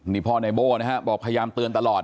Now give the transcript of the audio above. มีพ่อในบ้านนะครับบอกพยายามเตือนตลอด